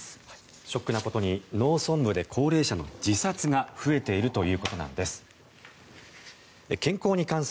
ショックなことに農村部で高齢者の自殺が増えているということです。